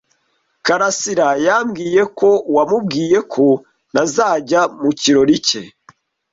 karasira yambwiye ko wamubwiye ko ntazajya mu kirori cye.